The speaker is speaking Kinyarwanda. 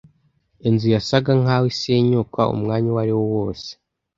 Inzu yasaga nkaho isenyuka umwanya uwariwo wose.